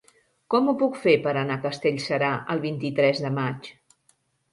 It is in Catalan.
Com ho puc fer per anar a Castellserà el vint-i-tres de maig?